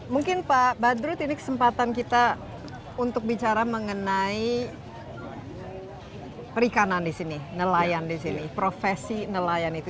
mungkin pak badrut ini kesempatan kita untuk bicara mengenai perikanan di sini nelayan di sini profesi nelayan itu